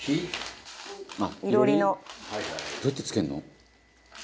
「どうやってつけるの？」